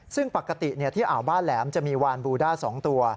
ซึ่งปกติที่อ่าวบ้านแหลมจะมีวานบูด้า๒ตัว